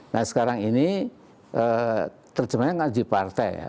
nah sekarang ini terjemahnya ngaji partai ya